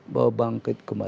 bahwa bangkit kembali